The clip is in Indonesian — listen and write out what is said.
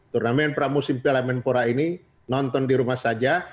turnamen pramusim pelemenpora ini nonton di rumah saja